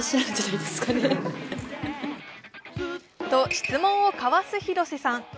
と質問をかわす広瀬さん。